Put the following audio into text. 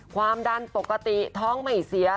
ความดันปกติท้องไม่เสีย